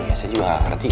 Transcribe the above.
iya saya juga gak ngerti